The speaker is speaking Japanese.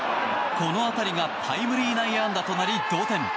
この当たりがタイムリー内野安打となり同点。